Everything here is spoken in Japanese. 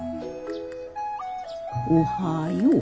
おはよう。